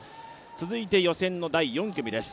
続いて予選の第４組です。